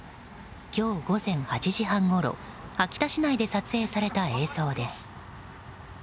今日午前８時半ごろ、秋田市内で撮影された映像です。